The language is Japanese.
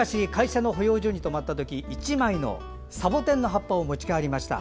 昔、会社の保養所に泊まったとき１枚のサボテンの葉を持ちかえりました。